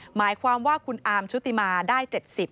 หมายความว่าคุณอาร์มชุติมาได้๗๐